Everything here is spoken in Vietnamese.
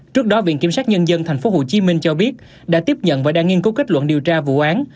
trước đó viện kiểm sát nhân dân tp hcm cho biết đã tiếp nhận và đang nghiên cứu kết luận điều tra vụ án